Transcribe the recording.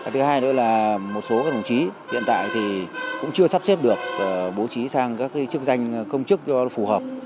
thứ hai nữa là một số các đồng chí hiện tại thì cũng chưa sắp xếp được bố trí sang các chức danh công chức phù hợp